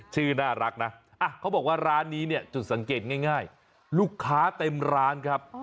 ชื่อน่ารักนะเขาบอกว่าร้านนี้เนี่ยจุดสังเกตง่ายลูกค้าเต็มร้านครับ